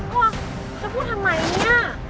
กลัวจะพูดทำไมเนี่ย